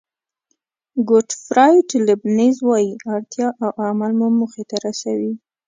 ګوټفراید لیبنېز وایي اړتیا او عمل مو موخې ته رسوي.